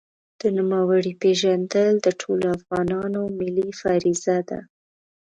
د نوموړي پېژندل د ټولو افغانانو ملي فریضه ده.